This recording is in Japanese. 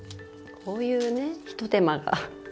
こういうねひと手間が。